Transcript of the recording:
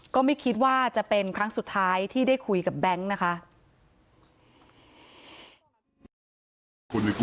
ก็ไม่คิดว่าจะเป็นครั้งสุดท้ายที่ได้คุยกับแบงค์นะคะ